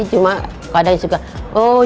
cuma kadang suka oh ya